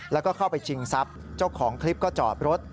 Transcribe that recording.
แล้วก็เข้าไปชิงทรัพย์เจ้าของคลิปก็จอดรถ